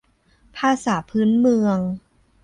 ภาษาพื้นเมือง